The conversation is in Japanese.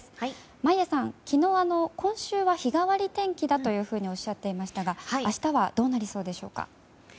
眞家さん、昨日今週は日替わり天気だとおっしゃっていましたが明日はどうなりそうでしょうか？